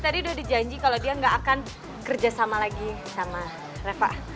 tadi udah dijanji kalau dia nggak akan kerja sama lagi sama reva